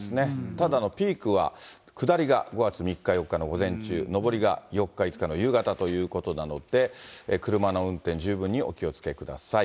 ただピークは下りが５月３日、４日の午前中、上りが４日、５日の夕方ということなので、車の運転、十分にお気をつけください。